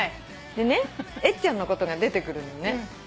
でねえっちゃんのことが出てくるのね。